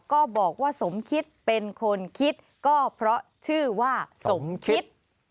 ก็บอกว่าสมคิดเป็นคนคิดก็เพราะชื่อว่าสมคิด